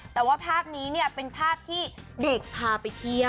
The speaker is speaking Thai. แต่ว่าภาพนี้เนี่ยเป็นภาพที่เด็กพาไปเที่ยว